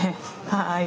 はい。